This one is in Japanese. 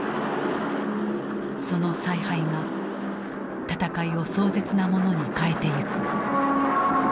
その采配が戦いを壮絶なものに変えてゆく。